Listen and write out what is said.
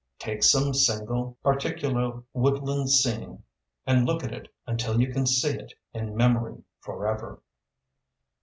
Take some single, particular woodland scene and look at it until you can see it in memory forever.